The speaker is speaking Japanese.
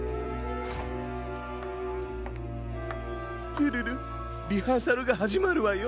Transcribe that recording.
ツルルリハーサルがはじまるわよ。